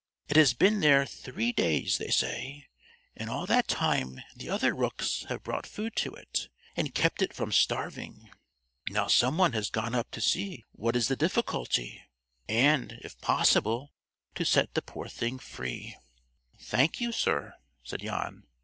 It has been there three days, they say, and all that time the other rooks have brought food to it, and kept it from starving. Now some one has gone up to see what is the difficulty, and, if possible, to set the poor thing free." "Thank you, sir," said Jan.